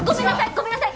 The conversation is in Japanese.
ごめんなさい！